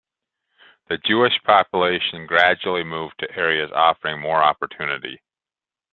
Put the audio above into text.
The Jewish population gradually moved to areas offering more opportunity.